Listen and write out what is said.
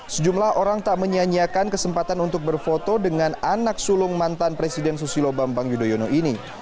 sejumlah orang tak menyanyiakan kesempatan untuk berfoto dengan anak sulung mantan presiden susilo bambang yudhoyono ini